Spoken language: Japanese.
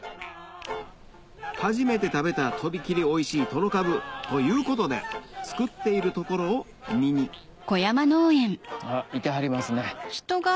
初めて食べたとびきりおいしいトロかぶということで作っている所を見にいてはりますね。